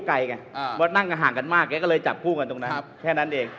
ไม่ว่านั่งห่างกันมากเลยจับคู่กัน